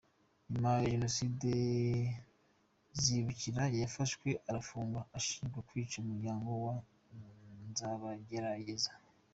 Nyuma ya Jenoside Zibukira yarafashwe arafungwa ashinjwa kwica umuryango wa Nzabagerageza.